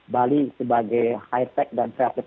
bali sebagai high tech dan kreatif